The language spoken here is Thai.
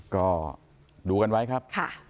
ก็ดูกันไว้ครับ